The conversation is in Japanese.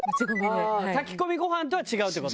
炊き込みご飯とは違うって事？